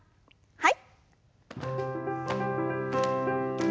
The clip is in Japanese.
はい。